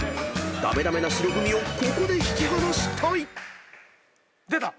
［駄目駄目な白組をここで引き離したい］出た！